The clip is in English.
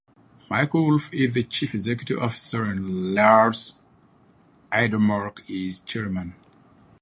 Michael Wolf is the Chief Executive Officer and Lars Idermark is Chairman.